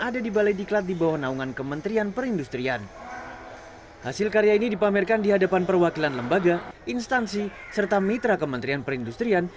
di hadapan perwakilan lembaga instansi serta mitra kementerian perindustrian